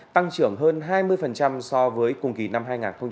tăng trưởng hơn hai mươi so với cùng kỳ năm hai nghìn hai mươi ba